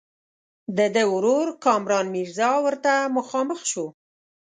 د ده ورور کامران میرزا ورته مخامخ شو.